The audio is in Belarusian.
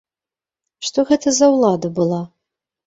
Што гэта за ўлада была?